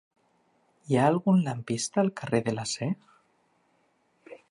Hi ha algun lampista al carrer de l'Acer?